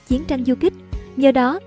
chiến tranh du kích do đó